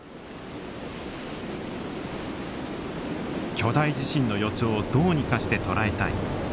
巨大地震の予兆をどうにかして捉えたい。